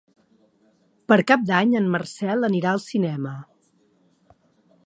Per Cap d'Any en Marcel anirà al cinema.